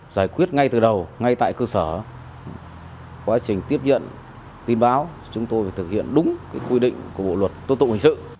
giải quyết ngay từ đầu ngay tại cơ sở quá trình tiếp nhận tin báo chúng tôi phải thực hiện đúng quy định của bộ luật tố tụ hình sự